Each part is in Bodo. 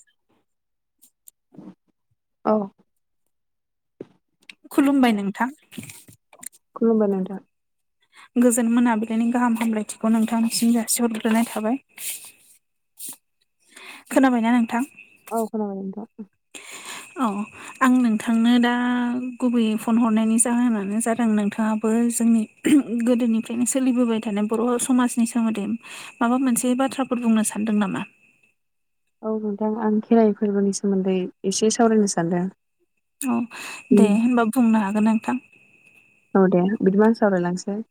[inaudible] औ खुलुमबाय नोंथां। खुलुमबाय नोंथां। गोजोन मोनाबिलिनि गाहाम हामलायथिखौ नोंथांनिसिम जासिहरग्रोनाय थाबाय। खोनाबायना नोंथां? औ खोनाबाय नोंथां। औ आं नोंथांनो दा गुबैयै फन हरनायनि जाहोनानो जादों नोंथाङाबो जोंनि गोदोनिफ्रायनो सोलिबोबाय थानाय बर' समाजनि सोमोन्दै माबा मोनसे बाथ्राफोर बुंनो सानदों नामा? औ नोंथां आं खेराइ फोरबोनि सोमोन्दै एसे सावरायनो सान्दों। औ दे होनबा बुंनो हागोन नोंथां औ दे बिदिबा सावरायलांसै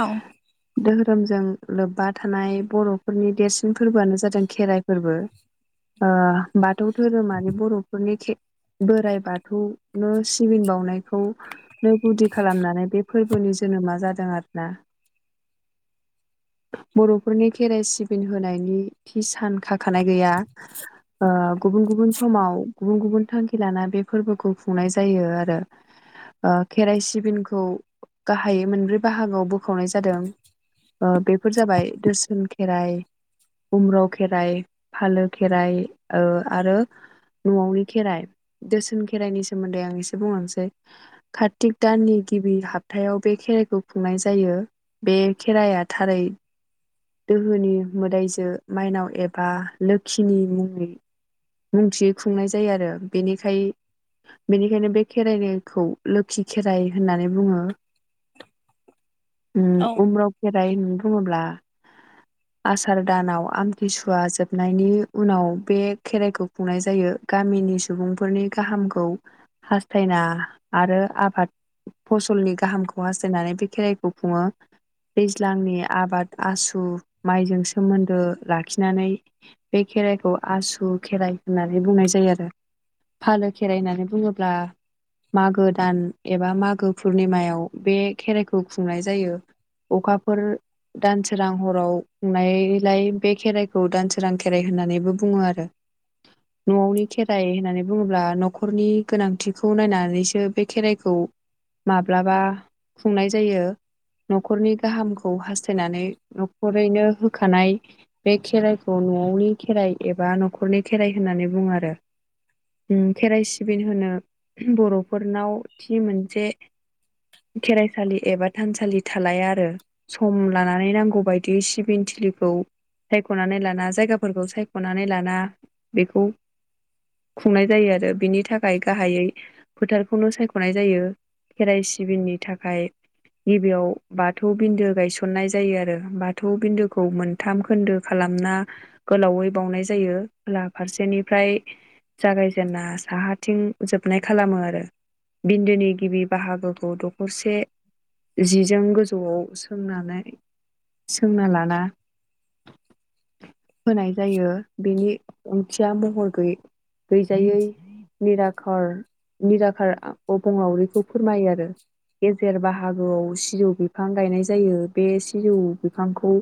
औ दोहोरोमजों लोब्बा थानाय बर'फोरनि देरसिन फोरबोआनो जादों खेराइ फोरबो। ओ बाथौ धोरोमारि बर'फोरनि खे बोराइ बाथौनो सिबिन बाउनायखौ गुदि खालामनानै बे फोरबोनि जोनोमा जादों आरो ना। बर'फोरनि खेराइ सिबि होनायनि थि सान खाखानाय गैया। ओ गुबुन गुबुन समाव गुबुन गुबुन थांखि लानानै बे फोरबोखौ खुंनाय जायो आरो। ओ खेराइ सिबिनखौ गाहायै मोनब्रै बाहागोआव बोखावनाय जादों। ओ बेफोर जाबाय दोरसोन खेराइ उमराव खेराइ फालो खेराइ ओ आरो न'आवनि खेराइ दोसोन खेराइनि सोमोन्दै आं एसे बुंलांसै कार्तिक दाननि गिबि हाप्तायाव बे खेराइखौ खुंनाय जायो। बे खेराइया थारै दोहोनि मोदाइजो माइनाव एबा लोखिनि मुंनि बुंथि खुंनाय जायो आरो बेनिखाय बेनिखायनो बे खेराइनायखौ लोखि खेराइ होननानै बुङो उम औ उमराव खेराइ होननानै बुङोब्ला आसार दानाव आमथि सुवा जोबनायनि उनाव बे खेराइखौ खुंनाय जायो। गामिनि सुबुंफोरनि गाहामखौ हास्थायना आरो आबाद फसलनि गाहामखौ हास्थायनानै बे खेराइखौ खुङो। दैज्लांनि आबाद आसु माइजों सोमोन्दो लाखिनानै बे खेराइखौ आसु खेराइ होननानै बुंनाय जायो आरो फालो खेराइ होननानै बुङोब्ला मागो दान एबा मागो पुर्निमायाव बे खेराइखौ खुंनाय जायो। अखाफोर दानसोरांहराव खुंनायलाय बे खेराइखौ दानसोरां खेराइ होननानैबो बुङो आरो न'वावनि खेराइ होननानै बुङोब्ला नख'रनि गोनांथिखौ नायनानै नैसो बे खेराइखौ माब्लाबा खुंनाय जायो। नख'रनि गाहामखौ हास्थायनानै नख'रैनो होखानाय बे खेराइखौ न'आवनि खेराइ एबा नख'रनि खेराइ होननानै बुङो आरो उम खेराइ सिबिन होनो बर'फोरनाव थि मोनसे खेराइसालि एबा थानसालि थालाया आरो सम लानानै नांगौ बायदि सिबिन थिलिखौ सायख'नानै लाना जायगाफोरखौ सायख'नानै लाना बेखौ खुंनाय जायो आरो बिनि थाखाय गाहाइयै फोथारखौनो सायख'नाय जायो खेराइ सिबिननि थाखाय गिबियाव बाथौ बिन्दो गायसननाय जायो आरो बाथौ बिन्दोखौ मोन थाम खोन्दो खालामना गोलावै बाउनाय जायो खोला फारसेनिफ्राय जागायजेना साहाथिं जोबनाय खा खालामो आरो बिन्दोनि गिबि बाहागोखौ दख'रसे जिजों गोजौवाव सोंनानै सोंना लाना होनाय जायो बेनि ओंथिया महरै गै-गैजायै निराखार निराखार अबंलावरिखौ फोरमायो आरो गेजेर बाहागोआव सिजौ बिफां गायनाय जायो बे सिजौ बिफांखौ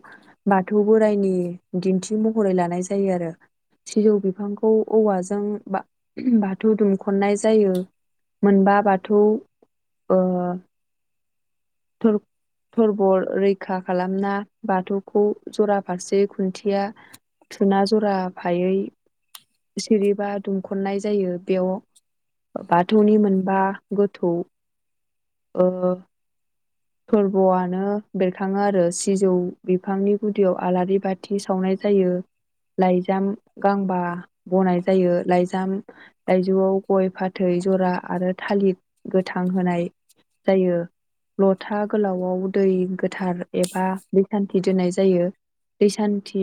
बाथौ बोराइनि दिन्थि महरै लानाय जायो आरो। सिजौ बिफांखौ औवाजों बाथौ दुमखन्नाय। जायो मोनबा बाथौ ओ। [unintelligible] थरबल रैखा खालामना बाथौखौ जरा फारसे खुन्थिया। थुना जराफायै सिरिबा दुमखन्नाय जायो बेव। बाथौनि मोनबा गोथौ ओ फोरबोआनो बेरखाङो आरो सिजौ बिफांनि गुदियाव आलारि बा बाथि सावनाय जायो लाइजाम गांबा बनाय जायो लाइजाम लायजौआव गय फाथै जरा आरो थालिर गोथां होनाय जायो। लथा गोलावआव दै गोथार एबा दै सान्थि दोननाय जायो। दै सान्थि।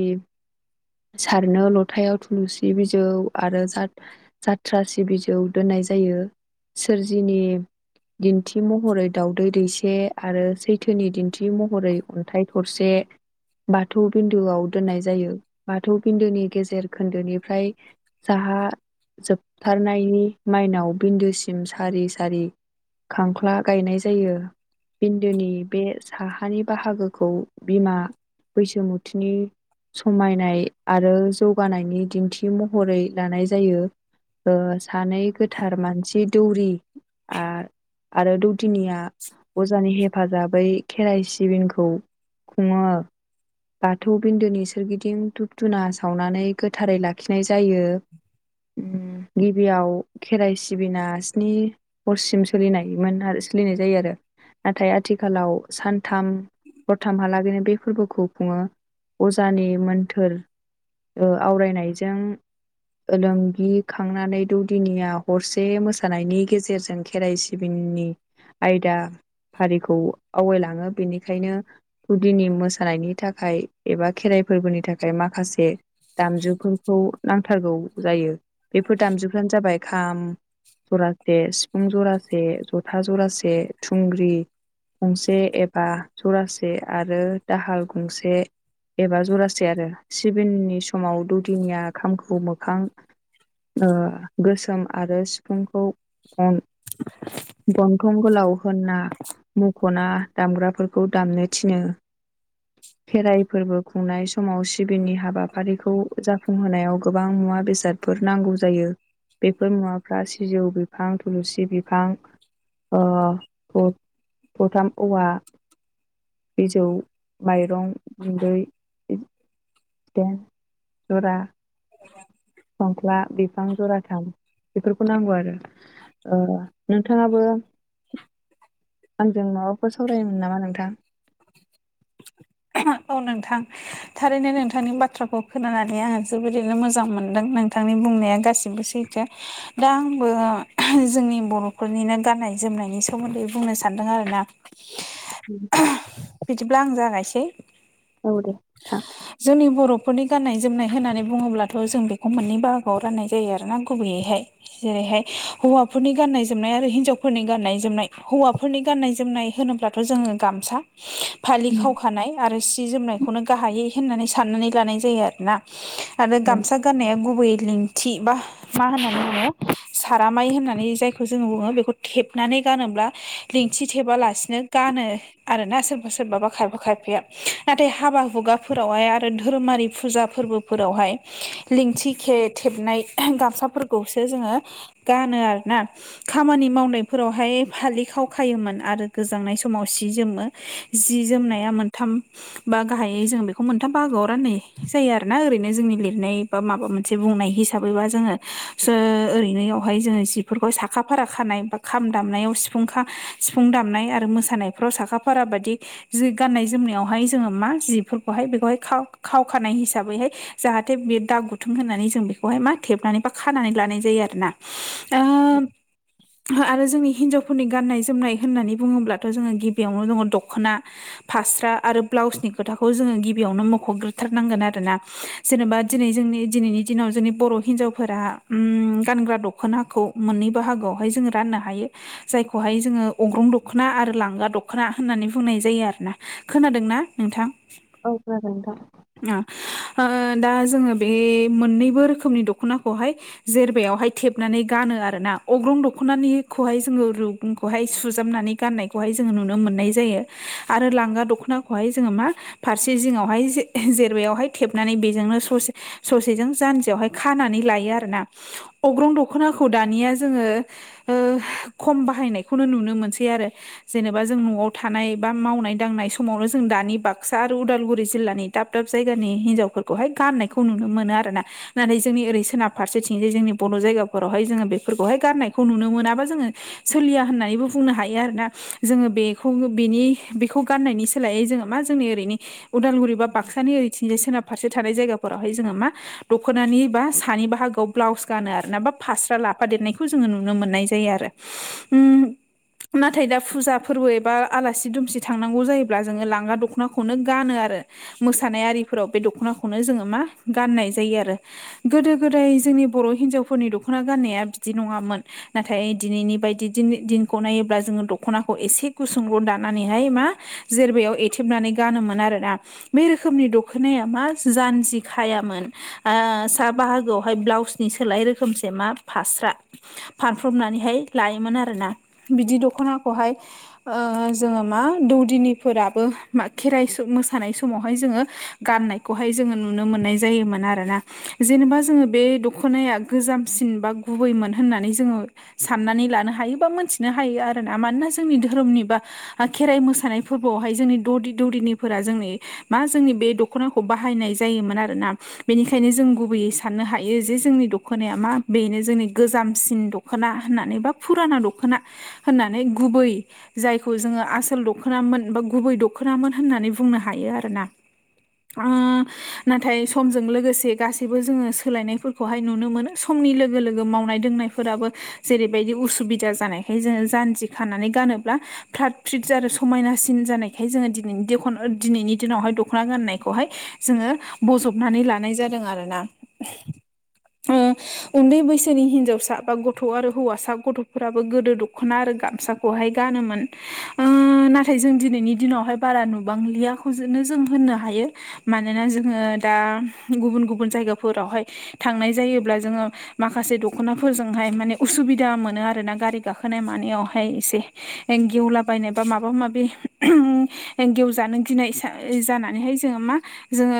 सारनो लथायाव थुलुंसि बिजौ आरो जा जाथ्रासि बिजौ दोननाय जायो सोरजिनि। दिन्थि महरै दावदै दैसे। से आरो सैथोनि दिन्थि महरै अन्थाइ थरसे। बाथौ बिन्दोआव दोननाय जायो बाथौ बिन्दोनि गेजेर खोन्दोनिफ्राय। साहा जोबथारनायनि माइनाव बिन्दोसिम सारि सारि। खांख्ला गायनाय जायो। बिन्दोनि बे साहानि बाहागोखौ बिमा बैसुमुथिनि। समायनाय आरो जौगानायनि दिन्थि महरै लानाय जायो। ओ सानै गोथार मानसि। दौरि आ आरो दौदिनिया। अजानि हेफाजाबै खेराइ सिबिनखौ खुङो। बाथौ बिन्दोनि सोरगिदिं धुप धुना सावनानै। गोथारै लाखिनाय जायो उम। गिबियाव खेराइ सिबिना स्नि हरसिम सोलिनायमोन आरो सोलिनाय जायो आरो। नाथाय आथिखालाव सानथाम दरथामहालागैनो बे। फोरबोखौ खुङो अजानि मोन्थोर ओ आवरायनायजों। ओलोंगि खांनानै दौदिनिया हरसे मोसानायनि गेजेरजों खेराइसि। सिबिननि आयदा फारिखौ आवगायलांङो बेनिखायनो। गुदिनि मोसानायनि थाखाय एबा खेराइ फोरबोनि थाखाय माखासे। दामजुफोरखौ नांथारगौ जायो बेफोर दामजुफ्रानो जाबाय खाम। जरासे सिफुं जरासे जथा जरासे थुंग्रि। गंसे एबा जरासे आरो दाहाल गंसे। एबा जरासे आरो सिबिननि समाव दौदिनिया खामखौ मोखां। ओ गोसोम आरो सिफुंखौ अन गन्थं गोलाव। होन्ना मुख'ना दामग्राफोरखौ दामनो थिनो। [inaudible] खेराइ फोरबो खुंनाय समाव सिबिननि हाबाफारिखौ जाफुंहोनायाव गोबां मुवा बेसाद फोर नांगौ जायो बेफोर मुवाफ्रा सिजौ बिफां थुलुसि बिफां। ओ थ' थथाम औवा बिजौ। माइरं गुन्दै जिदाइन जरा। संख्ला बिफां जराथाम बेफोरखौ नांगौ आरो। ओ नोंथाङाबो। आंजों माबाफोर सावरायोमोन नामा नोंथां। औ नोंथां। थारैनो नोंथांनि बाथ्राखौ खोनानानै आङो जोबोरैनो मोजां मोनदों नोंथांनि बुंनाया गासिबो सै थो। दा आंबो जोंनि बर'फोरनिनो गाननाय जोमनायनि सोमोन्दै बुंनो सानदों आरोना। [unintelligible] औ बिदिब्ला आं जागायसै। औ दे थां। जोंनि बर'फोरनि गाननाय जोमनाय होननानै बुङोब्लाथ' जों बेखौ मोननै बाहागोआव राननाय जायो आरोोना गुबैयैहाय जेरैहाय हौवाफोरनि गाननाय जोमनाय आरो हिनजावफोरनि गाननाय जोमनाय हौवाफोरनि गाननाय जोमनाय होनोब्ला थ' जोङो गामसा फालि खावखानाय आरो सि जोमनायखौनो गाहायै होननानै साननानै लानाय जायो आरो ना। आरो औ गामसा गाननाया गुबै लिंथि बा मा होननानै बुङो सारामाइ होननानै जायखौ जोङो बुङो बेखौ थेबनानै गानोब्ला लिंथि थेबालासिनो गानो आरोना सोरबा सोरबाबा खायफा खायफाया नाथाय हाबा हुगाफोरावहाय आरो धोरोमारि फुजा फोरबोफोरावहाय लिंथिखे थेबनाय गामसाफोरखौसो जोङो गानो आरोना। खामानि मावनायफोरावहाय फालि खावखायोमोन आरो गोजांनाय समाव सि जोमो। जि जोमनाया मोनथाम बा गाहायै जों बेखौ मोनथाम बाहागोआव राननाय जायो आरो ना ओरैनो जोंनि लिरनाय बा माबा मोन से बुंनाय हिसाबैबा जोङो स ओरैनोयावहाय जोङो जिफोरखौ साखा फारा खानाय खाम दामनायाव सिफुं खा सिफुं दामनाय आरो मोसानायफ्राव साखा फारा बादि जि गाननाय जोमनायावहाय जोङो मा जिफोरखौहाय बेखौहाय खाव-खावखानाय हिसाबैहाय जाहाथे बे दा गुथुं होननानै जों बेखौहाय मा थेबनानै बा खानानै लानाय जायो आरोना। ओ आरो जोंनि हिनजावफोरनि गान्नाय जोमनाय होननानै बुङोब्लाथ' जोङो गिबियावनो दङ दख'ना। फास्रा आरो ब्लाउसनि खोथाखौ जोङो गिबियावनो मख'ग्रोथारनांगोन आरोना। जेनेबा दिनै जोंनि दिनैनि दिनाव जोंनि बर' हिनजावफोरा गानग्रा दख'नााखौ मोननै बाहागोआवहाय जोंङ राननो हायो। जायखौहाय जोङो अग्रं दख'ना आरो लांगा दख'ना होननानै बुंनाय जायो आरो ना। खोनादोंना नोंथां? औ खोनादों नोंथां। दा जोङो बे मोननैबो रोखोमनि दख'नाखौहाय जेरबायावहाय थेबनानै गानो आरोना। अग्रं दख'नानिखौहाय जोङो रु गुंखौहाय सुजाबनानै गाननायखौहाय जोङो नुनो मोननाय जायो आरो लांगा दख'नाखौहाय जोङो मा फारसे जिङावहाय जेर बेायावहाय थेबनानै बेजोंनो ससे ससेजों जानजियावहाय खानानै लायो आरो ना अग्रं दख'नाखौ दानिया जोङो खम बाहायनायखौनो नुनो मोनसै आरो। जेनेबा जों न'आव थानाय बा मावनाय दांनाय समावनो जों दानि बाक्सा आरो उदालगुरि जिल्लानि दाब दाब जायगानि हिनजावफोरखौहाय गाननायखौ नुनो मोनो आरोना। नाथाय जोंनि ओरै सोनाब फारसेथिं जाय जोंनि बर' जायगाफोरावहाय जोङो बेफोरखौहाय गाननायखौ नुनो मोनाबा जोङो सोलिया होननानैबो बुंनो हायो आरोोटना जोङो बेखौ बेनि बेखौ गाननायनि सोलायै जोङो मा जोंनि ओरैनि उदालगुरि बा बाक्सानि ओरैथिंजाय सोनाब फारसे थानाय जायगाफोरावहाय जोङो मा दख'नानि बा सानि बाहागोआव ब्लाउस गानो आरो ना बा फास्रा लाफादेरनायखौ जोङो नुनो मोननाय जायो आरो। उम नाथाय दा फुजा फोरबो एबा आलासि दुमसि थांनांगौ जायोब्ला जोङो लांगा दखनाखौनो गानो आरो। मोसानाय आरिफोराव बे दख'नाखौनो जोङो मा गाननाय जायो आरो। गोदो गोदाय जोंनि बर' हिनजावफोरनि दख'ना गाननाया बिदि नङामोन। नाथाय दिनैनि बायदि दि-दिनखौ नायोब्ला जोङो दख'नाखौ एसे गुसुं ग' दानानैहाय मा जेरबायाव एथेबनानै गानोमोन आरोना। बे रोखोमनि दखनाया मा जानजि खायामोन। साहा बाहागोआवहाय ब्लाउसनि सोलाय रोखोमसे मा फास्रा फानफ्रबनानैहाय लायोमोन आरोना। बिदि दख'नाखौहाय जोङो मा दौदिनिफोराबो मा खेराइ मोसानाय समावहाय जोङो गाननायखौहाय जोङो नुनो मोननाय जायोमोन आरोना। जेनेबा जोङो बे दखनाया गोजामसिन बा गुबैमोन होननानै जोङो साननानै लानो हायो बा मोनथिनो हायो आरोना मानोना जोंनि धोरोमनि बा खेराइ मोसानाय फोरबोआवहाय जोंनि दौदि दौदिनिफोरा जोंनि मा जोंनि बे दख'नाखौ बाहायनाय जायोमोन आरोना बेनिखायनो जों गुबैयै साननो हायो जे जोंनि दख'नाया मा बेनो जोंनि गोजामसिन दख'ना दख'ना होननानै बा फुराना दख'ना होननानै गुबै जायखौ जोङो आसोल दखोनामोन बा गुबै दखोनामोन होननानै बुंनो हायो आरोना। नाथाय समजों लोगोसे गासैबो जोङो सोलायनायफोरखौ खौहाय नुनो मोनो समनि लोगो लोगो मावनाय दोंनायफोराबो जेरैबायदि उसुबिदा जानायखाय जोङो जानजि खानानै गानोब्ला फ्रााद फ्रिद आरो समायनासिन जानायखाय जोङो दिनैनि देखन दिनैनि दिनावहाय दख'ना गाननायखौहाय जोङो बजबनानै लानाय जादों आरोना? उन्दै बैसोनि हिनजावसा बा गथ' आरो हौवासा गथ'फोराबो गोदो दख'ना आरो गामसा खौहाय गानोमोन नाथाय जों दिनैनि दिनावहाय बारा नुबांलिया। नो जों होननो हायो मानोना जोङो दा गुबुन गुबुन जायगाफोरावहाय थांनाय जायोब्ला जोङो माखासे दख'नाफोरजोंहाय माने उसुबिदा मोनो आरो ना गारि गाखोनाय मानायावहाय एसे गेवलाबायनाय बा माबा माबि गेवजानो गिनाय जानानैहाय जोङो मा जोङो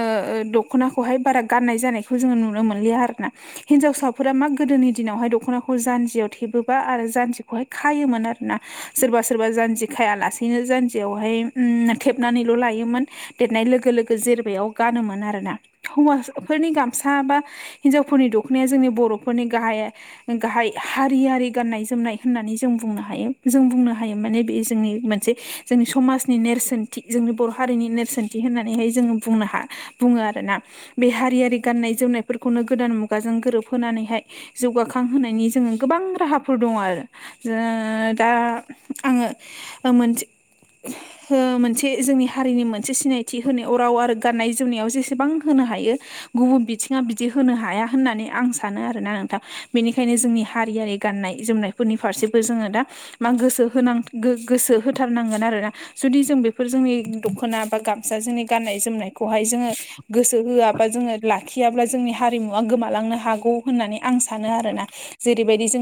दख'नाखौहाय बारा गाननाय जानायखौ जोङो नुनो मोनलिया आरो ना? हिनजावसाफोरा मा गोदोनि दिनावहाय दख'नाखौ जान्जियाव थेबोबा आरो जान्जिखौहाय खायोमोन आरोना सोरबा सोरबा जान्जि खाया लासेनो जान्जियावहाय थेबनानै ल' लायोमोन। देरनाय लोगो लोगो जेर बेयाव गानोमोन आरोोना हौवाफोरनि गामसा बा हिनजावफोरनि दख'नाया जोंनि बर'फोरनि गाहाया गाहाय हारियारि गाननाय जोमनाय होननानै जों बुंनो हायो जों बुंनो हायो माने बे जोंनि मोनसे जोंनि समाजनि नेरसोनथि जोंनि बर' हारिनि नेरसोनथि होननानैहाय जोङो बुंनो हा बुङो आरोना बे हारियारि गाननाय जोमनायफोरखौनो गोदान मुगाजों गोरोबहोनानैहाय जौगाखांहोनायनि जोङो गोबां राहाफोर दङ आरो दा आङो मोनसे मोनसे ज जोंनि हारिनि मोनसे सिनायथि होनायाव राव आरो गाननाय जोमनायाव जेसेबां होनो हायो। गुबुन बिथिङा बिदि होनो हाया होननानै आं सानो आरोना नोंथां बेनिखायनो जोंनि हारियारि गाननाय जोमनायफोरनि फारसेबो जोङो दा मा गोसो होन गोसो होथारनांगोन आरोना जुदि जों बेफोर जोंनि दख'ना बा गाम सा जोंनि गान्नाय जोमनायखौहाय जोङो गोसो होआबा जोङो लाखियाब्ला जोंनि हारिमुवा गोमालांनो हागौ होननानै आं सानो आरोना? जेरैबायदि जोंनि